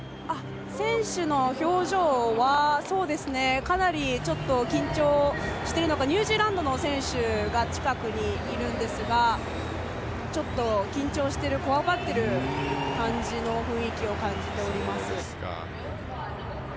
選手の表情はかなり緊張しているのかニュージーランドの選手が近くにいるんですがちょっと、緊張しているこわばっている感じの雰囲気を感じております。